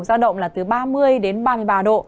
giao động là từ ba mươi đến ba mươi ba độ